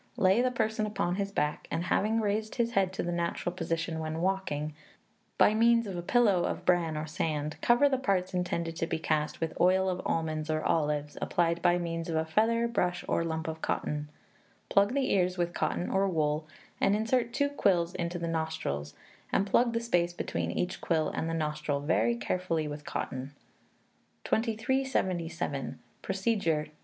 Lay the person upon his back, and having raised his head to the natural position when walking, by means of a pillow of bran or sand, cover the parts intended to be cast with oil of almonds or olives, applied by means of a feather, brush, or lump of cotton: plug the ears with cotton or wool, and insert two quills into the nostrils, and plug the space between each quill and the nostril very carefully with cotton. 2377. Procedure (2).